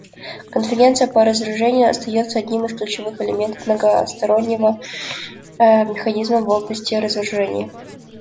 Конференция по разоружению остается одним из ключевых элементов многостороннего механизма в области разоружения.